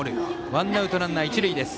ワンアウトランナー、一塁です。